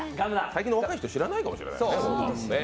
最近の若い人、知らないかもしれないよね。